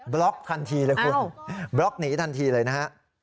ล็อกทันทีเลยคุณบล็อกหนีทันทีเลยนะฮะ